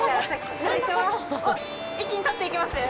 おっ、一気に立っていきますね。